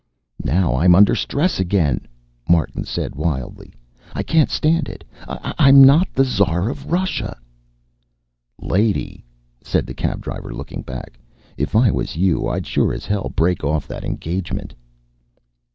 "Now I'm under stress again," Martin said wildly. "I can't stand it. I'm not the Tsar of Russia." "Lady," said the cab driver, looking back, "if I was you, I'd sure as hell break off that engagement."